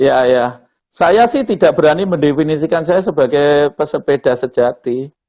ya ayah saya sih tidak berani mendefinisikan saya sebagai pesepeda sejati